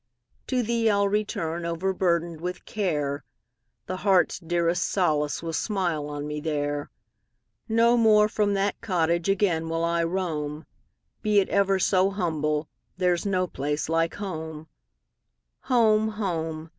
To thee I 'll return, overburdened with care; The heart's dearest solace will smile on me there; No more from that cottage again will I roam; Be it ever so humble, there 's no place like home. Home! home!